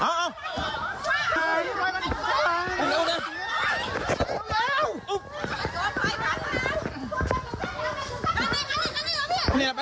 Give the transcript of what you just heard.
ส่งาหุ่นผ่ายของเขาดังนั้นคือ